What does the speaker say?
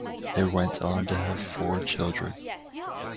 They went on to have four children.